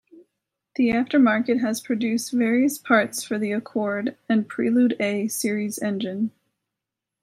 The aftermarket has produced various parts for the Accord and Prelude A series engine.